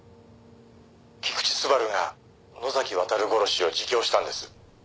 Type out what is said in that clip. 菊地スバルが野崎亘殺しを自供したんです。